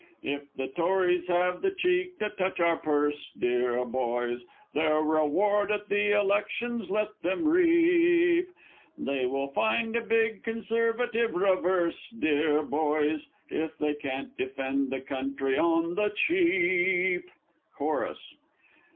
_ If the Tories have the cheek to touch our purse, deah boys! Their reward at the elections let 'em reap! They will find a big Conservative reverse, deah boys! If they can't defend the country On the Cheap! _Chorus.